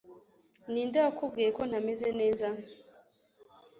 Ninde wakubwiye ko ntameze neza?